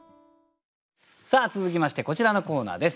さあ続きましてこちらのコーナーです。